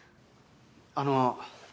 あの。